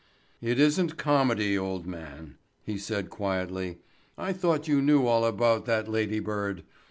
"It isn't comedy, old man," he said quietly. "I thought you knew all about that ladybird.